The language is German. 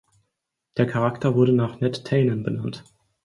Der Charakter wurde nach Ned Tanen benannt.